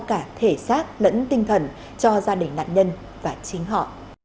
cả thể xác lẫn tinh thần cho gia đình nạn nhân và chính họ